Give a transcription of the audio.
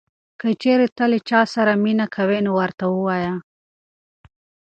که چېرې ته له چا سره مینه کوې نو ورته ووایه.